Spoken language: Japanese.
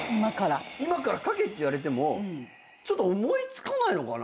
今から書けって言われてもちょっと思い付かないのかな。